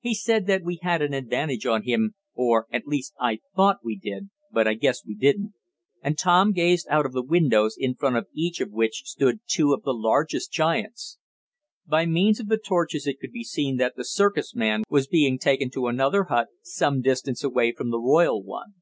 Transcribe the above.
He saw that we had an advantage on him or at least I thought we did, but I guess we didn't," and Tom gazed out of the windows in front of each of which stood two of the largest giants. By means of the torches it could be seen that the circus man was being taken to another hut, some distance away from the royal one.